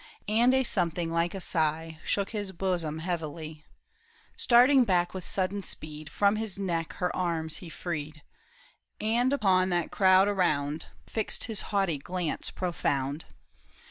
And a something like a sigh Shook his bosom heavily. Starting back with sudden speed, From his neck her arms he freed. • THE TOWER OF BO UV ERIE. 33 And upon that crowd around Fixed his haughty glance profound.